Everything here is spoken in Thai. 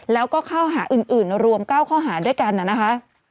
แล้วก็ข้อหาอื่นรวม๙ข้อหาด้วยกันนะคะ